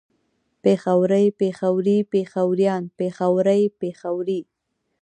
پېښوری پېښوري پېښوريان پېښورۍ پېښورې